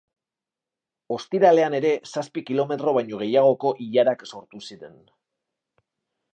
Ostiralean ere zazpi kilometro baino gehiagoko ilarak sortu ziren.